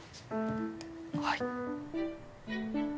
はい。